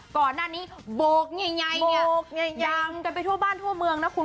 ก่อนหน้านี้โบกนี่ไงเนี่ยยางกันไปทั่วบ้านทั่วเมืองนะคุณ